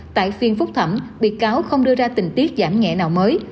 tại phiên phúc thẩm bị cáo không đưa ra tình tiết giảm nhẹ nào mới